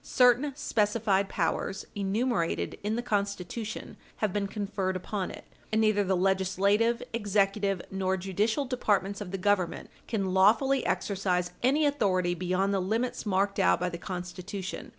Certain specified powers, enumerated in the Constitution, have been conferred upon it, and neither the legislative, executive, nor judicial departments of the Government can lawfully exercise any authority beyond the limits marked out by the Constitution.